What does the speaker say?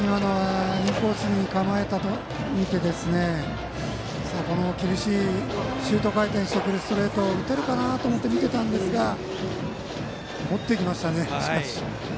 インコースに構えたと見て厳しいシュート回転してくるストレートを打てるかな？と思って見てたんですが、しかし持っていきましたね。